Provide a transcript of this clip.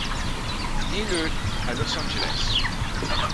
Né le à Los Angeles.